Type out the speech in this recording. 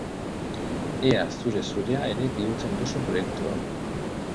Ea zure-zurea ere bihurtzen duzun proiektu hau!